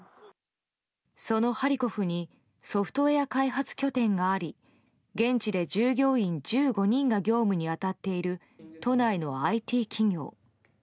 そのハリコフにソフトウェア開発拠点があり現地で従業員１５人が業務に当たっている都内のＩＴ企業。